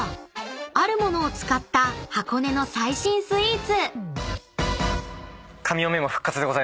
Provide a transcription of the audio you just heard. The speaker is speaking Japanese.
ある物を使った箱根の最新スイーツ］